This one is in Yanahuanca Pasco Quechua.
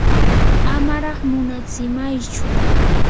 amaraq munatsimaychu.